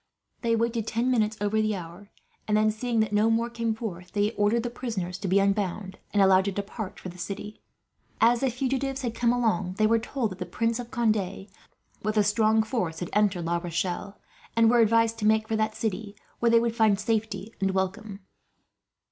They waited ten minutes over the hour; and then, seeing that no more came forth, they ordered the prisoners to be unbound, and allowed to depart for the city. As the fugitives had come along they were told that the Prince of Conde, with a strong force, had entered La Rochelle; and were advised to make for that city, where they would find safety and welcome.